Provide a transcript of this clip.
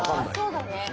そうだね。